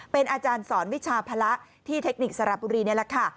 เป็นอาจารย์สอนวิชาภาระที่เทคนิคสระบุรีนี่แหละค่ะ